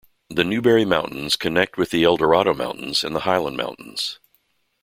The Newberry Mountains connect with the Eldorado Mountains and The Highland Mountains.